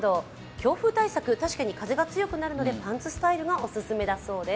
強風対策、確かに風が強くなるのでパンツスタイルがオススメだそうです。